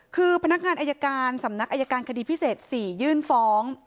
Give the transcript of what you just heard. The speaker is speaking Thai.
คือพนักงานอายการสำนักอายการคดีพิเศษ๔ยื่นฟ้อง